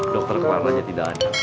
dokter kemarin aja tidak ada